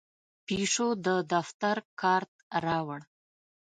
پیشو د دفتر کارت راوړ.